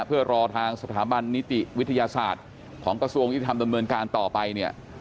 เพื่อรอทางสถาบันนิติวิทยาศาสตร์ของกระทรวงยุทธรรมดำเนินการต่อไปเนี่ย